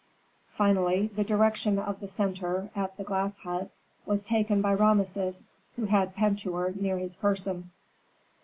Finally, the direction of the centre, at the glass huts, was taken by Rameses, who had Pentuer near his person.